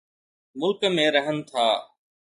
ملڪ ۾ رهن ٿا.